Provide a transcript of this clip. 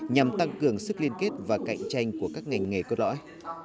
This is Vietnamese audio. nhằm tăng cường sức liên kết và cạnh tranh của các ngành nghề cốt lõi